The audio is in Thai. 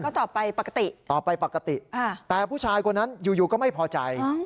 ก็ตอบไปปกติตอบไปปกติแต่ผู้ชายคนนั้นอยู่อยู่ก็ไม่พอใจ